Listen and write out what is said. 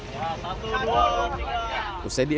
satu dua tiga